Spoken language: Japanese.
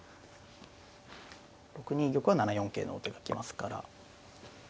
６二玉は７四桂の王手が来ますから。